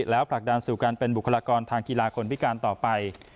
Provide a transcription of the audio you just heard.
แล้วผลักดันสู่การเป็นบุคลากรทางกีฬาคนพิการต่อไป